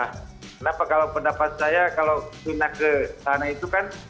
kenapa kalau pendapat saya kalau pindah ke sana itu kan